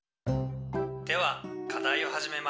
「では課題を始めましょう。